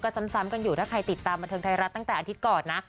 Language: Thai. ซ้ำกันอยู่ถ้าใครติดตามบันเทิงไทยรัฐตั้งแต่อาทิตย์ก่อนนะ